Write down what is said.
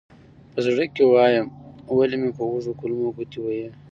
په زړه کې وایم ولې مې هسې په وږو کولمو ګوتې وهې.